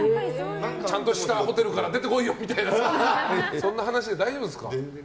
ちゃんとしたホテルから出て来いよみたいなそんな話で大丈夫ですか。